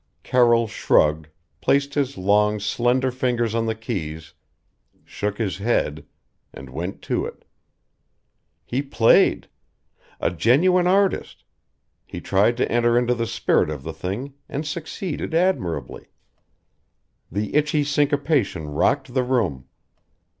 Carroll shrugged, placed his long, slender fingers on the keys shook his head and went to it. He played! A genuine artist he tried to enter into the spirit of the thing and succeeded admirably. The itchy syncopation rocked the room.